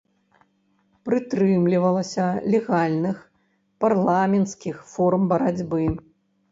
Прытрымлівалася легальных, парламенцкіх форм барацьбы.